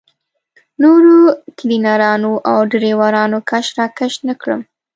نورو کلینرانو او ډریورانو کش راکش نه کړم.